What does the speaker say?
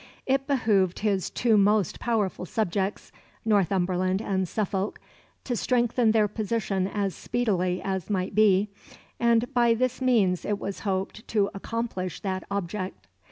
It behoved his two most powerful subjects, Northumberland and Suffolk, to strengthen their position as speedily as might be, and by this means it was hoped to accomplish that object.